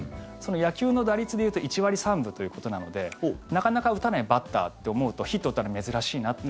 野球の打率でいうと１割３分ということなのでなかなか打たないバッターと思うとヒットを打ったの珍しいなって。